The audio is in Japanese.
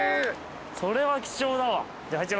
それは貴重だわ。